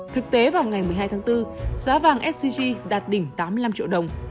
thực tế vào ngày một mươi hai tháng bốn giá vàng sgc đạt đỉnh tám mươi năm triệu đồng